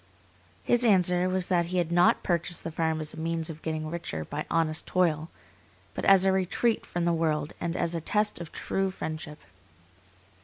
His answer was that he had not purchased the farm as a means of getting richer by honest toil, but as a retreat from the world and as a test of true friendship.